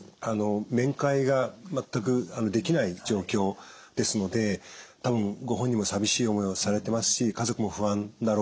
面会が全くできない状況ですので多分ご本人も寂しい思いをされてますし家族も不安だろうと思います。